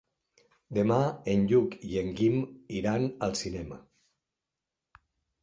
Demà en Lluc i en Guim iran al cinema.